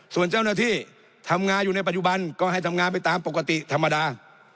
ส่วนเจ้าหน้าที่ทำงานอยู่ในปัจจุบันก็ให้ทำงานไปตามปกติธรรมดา